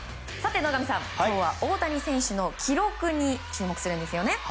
野上さん、今日は大谷選手の記録に注目ですね。